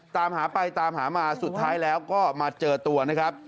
ตามหาไปตามหามาสุดท้ายแล้วก็มาเจอตัวนะครับ